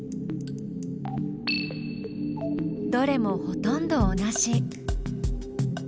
どれもほとんど同じ。